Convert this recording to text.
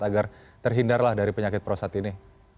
agar terhindarlah dari penyakit prostat ini